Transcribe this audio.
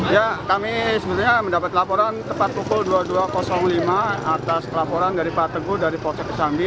ya kami sebenarnya mendapat laporan tepat pukul dua puluh dua lima atas laporan dari pak teguh dari polsek kesambi